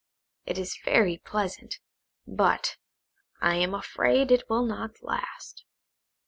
"It is very pleasant, but I am afraid it will not last.